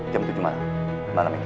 jam tujuh malam malam ini